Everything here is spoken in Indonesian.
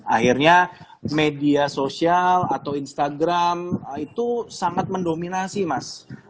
akhirnya media sosial atau instagram itu sangat mendominasi mas